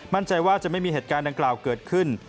มั่นใจว่าจะไม่มีเหตุการณ์ดังกล่าวเกิดขึ้น